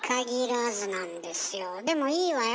でもいいわよ